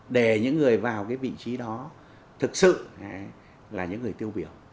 để những người vào cái vị trí đó thực sự là những người tiêu biểu